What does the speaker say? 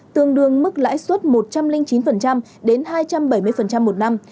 tương đương mức lãi suất một trăm linh chín đến hai trăm bảy mươi một năm